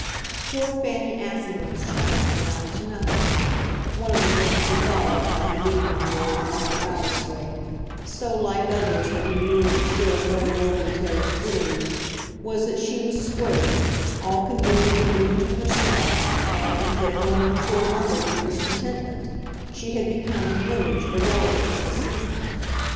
Poor Fanny Assingham's challenge amounted to nothing: one of the things he thought of while he leaned on the old marble balustrade so like others that he knew in still more nobly terraced Italy was that she was squared, all conveniently even to herself, and that, rumbling toward London with this contentment, she had become an image irrelevant to the scene.